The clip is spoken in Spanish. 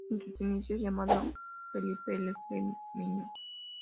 En sus inicios llamado Felipe "El extremeño".